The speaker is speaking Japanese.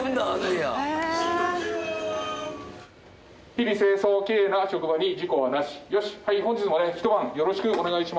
「日々清掃きれいな職場に事故はなし」よし。